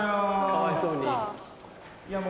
かわいそうに。